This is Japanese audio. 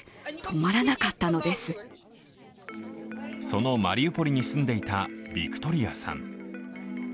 そのマリウポリに住んでいたビクトリアさん。